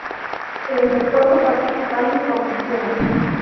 Treinta y cuatro participantes compitieron.